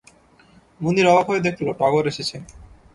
মুনির অবাক হয়ে দেখল, টগর এসেছে।